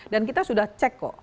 dan kita sudah cek kok